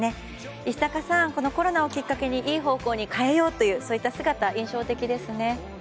石坂さん、コロナをきっかけにいい方向へ変えようという姿印象的ですね。